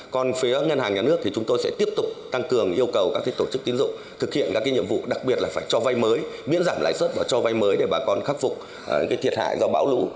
còn phía ngân hàng nhà nước thì chúng tôi sẽ tiếp tục tăng cường yêu cầu các tổ chức tiến dụng thực hiện các nhiệm vụ đặc biệt là phải cho vay mới miễn giảm lãi suất và cho vay mới để bà con khắc phục những thiệt hại do bão lũ